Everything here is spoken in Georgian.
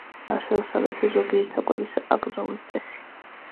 არსებობს აგრეთვე ზოგიერთი საკვების აკრძალვის წესი.